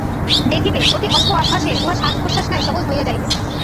দেখিবে, অতি অল্প অভ্যাসে উহা শ্বাসপ্রশ্বাস ন্যায় সহজ হইয়া যাইবে।